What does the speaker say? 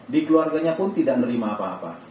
di keluarganya pun tidak menerima apa apa